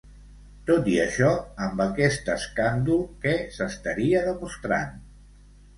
Tot i això, amb aquest escàndol, què s'estaria demostrant?